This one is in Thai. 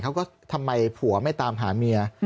ทำไมผัวไม่ตามหาเมีย